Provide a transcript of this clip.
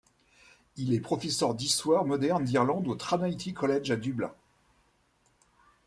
Il est professeur d'histoire moderne d'Irlande au Trinity College à Dublin.